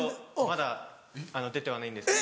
まだ出てはないんです。